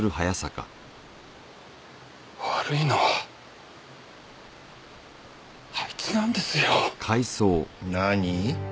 悪いのはあいつなんですよ。何？